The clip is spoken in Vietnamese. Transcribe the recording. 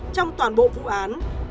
trong toàn bộ vụ án